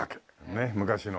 ねっ昔の。